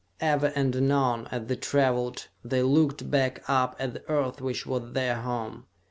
Ever and anon, as they traveled they looked back up at the Earth which was their home.